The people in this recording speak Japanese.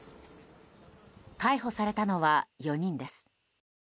逮捕されたのは、４人です。